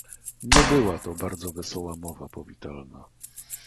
"Nie była to bardzo wesoła mowa powitalna."